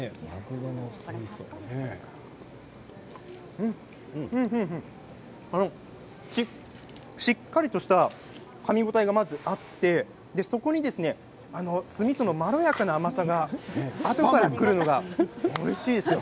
うんうん、しっかりとしたかみ応えがまずあってそこに酢みそのまろやかな甘さがあとからくるのがおいしいですよ。